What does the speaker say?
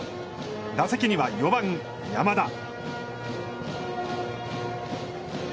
打席には、４番山田。